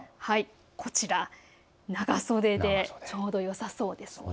長袖でちょうどよさそうですね。